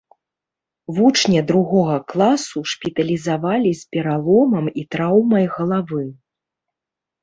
Вучня другога класу шпіталізавалі з пераломам і траўмай галавы.